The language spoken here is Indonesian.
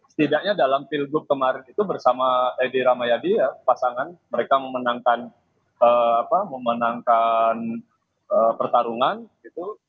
setidaknya dalam field group kemarin itu bersama edy ramayadi ya pasangan mereka memenangkan pertarungan gitu